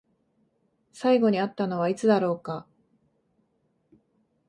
最後に会ったのはいつだろうか？